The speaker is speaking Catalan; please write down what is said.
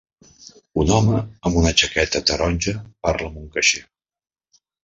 Un home amb una jaqueta taronja parla amb un caixer.